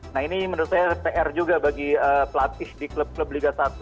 nah ini menurut saya pr juga bagi pelatih di klub klub liga satu